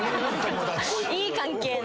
いい関係の。